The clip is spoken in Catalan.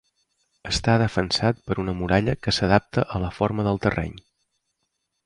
Està defensat per una muralla que s'adapta a la forma del terreny.